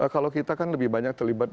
kalau kita kan lebih banyak terlibat